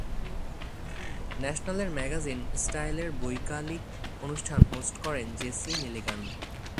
ন্যাশনালের ম্যাগাজিন-স্টাইলের বৈকালিক অনুষ্ঠান হোস্ট করেন জেসি মিলিগান।